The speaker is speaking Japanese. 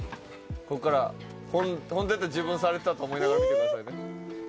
ここからホントやったら自分されてたと思いながら見てくださいね